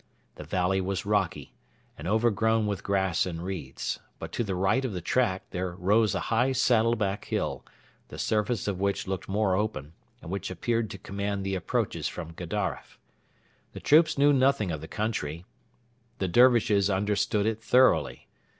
The valley was rocky, and overgrown with grass and reeds; but to the right of the track there rose a high saddleback hill, the surface of which looked more open, and which appeared to command the approaches from Gedaref. The troops knew nothing of the country; the Dervishes understood it thoroughly.